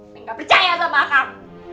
neng gak percaya sama akan